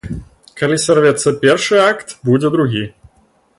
Калі сарвецца першы акт, будзе другі.